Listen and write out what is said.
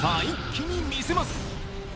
一気に見せます！